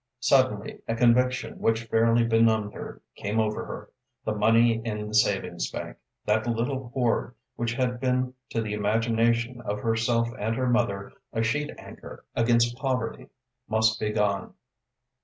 Suddenly a conviction which fairly benumbed her came over her the money in the savings bank; that little hoard, which had been to the imagination of herself and her mother a sheet anchor against poverty, must be gone.